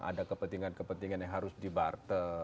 ada kepentingan kepentingan yang harus dibartel